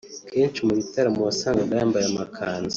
Kenshi mu bitaramo wasangaga yambaye amakanzu